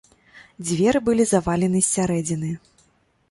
Дзверы былі завалены з сярэдзіны.